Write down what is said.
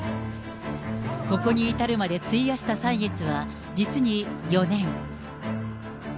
ここに至るまで費やした歳月は実に４年。